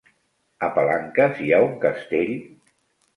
A Palanques hi ha un castell?